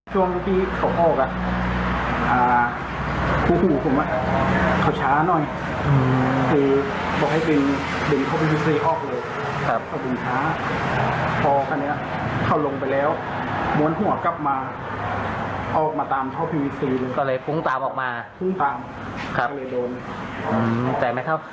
ตรงตามออกมาตรงตามครับโดนใจไหมครับ